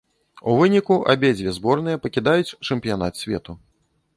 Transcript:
У выніку, абедзве зборныя пакідаюць чэмпіянат свету.